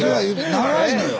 長いのよ。